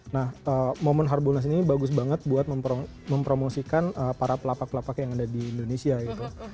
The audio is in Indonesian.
nah momen harbolnas ini bagus banget buat mempromosikan para pelapak pelapak yang ada di indonesia gitu